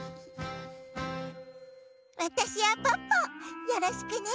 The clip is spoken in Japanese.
わたしはポッポよろしくね。